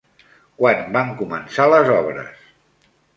Quan van començar les obres?